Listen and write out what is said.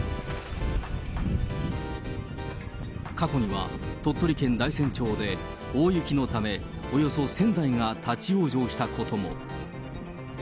過去には鳥取県大山町で、大雪のため、およそ１０００台が立往生したことも。